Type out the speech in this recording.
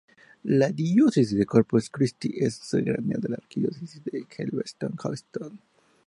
La Diócesis de Corpus Christi es sufragánea d la Arquidiócesis de Galveston-Houston.